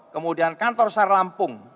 kemudian kantor sar lampung